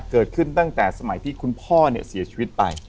ตั้งแต่สมัยที่คุณพ่อเนี่ยเสียชีวิตไป